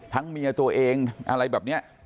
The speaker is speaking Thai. เมียตัวเองอะไรแบบนี้